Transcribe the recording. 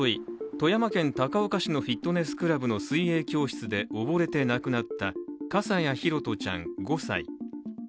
富山県高岡市のフィットネスクラブの水泳教室で溺れて亡くなった笠谷拓社ちゃん５歳。